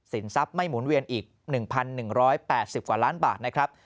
ทรัพย์ไม่หมุนเวียนอีก๑๑๘๐กว่าล้านบาทนะครับ